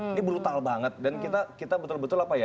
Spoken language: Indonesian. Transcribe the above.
ini brutal banget dan kita betul betul